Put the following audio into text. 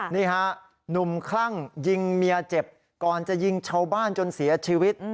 นี่ฮะหนุ่มคลั่งยิงเมียเจ็บก่อนจะยิงชาวบ้านจนเสียชีวิต